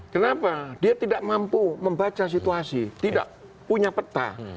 kenapa dia tidak mampu membaca situasi tidak punya peta